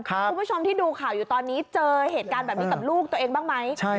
คุณผู้ชมที่ดูข่าวอยู่ตอนนี้เจอเหตุการณ์แบบนี้กับลูกตัวเองบ้างไหม